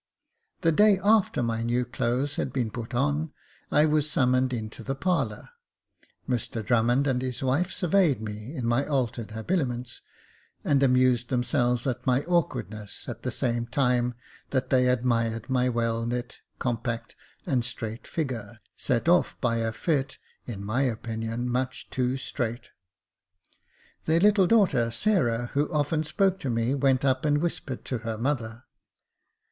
The day after my new clothes had been put on, I was summoned into the parlour. Mr Drummond and his wife surveyed me in my altered habiliments, and amused themselves at my awkwardness, at the same time that they admired my well knit, compact, and straight figure, set off by a fit, in my opinion, much too strait. Their little daughter, Sarah, who often spoke to me, went up and whispered to her mother.